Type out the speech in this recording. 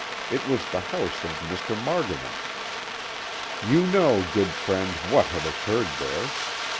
It was the house of Mr. Margovan. You know, good friend, what had occurred there.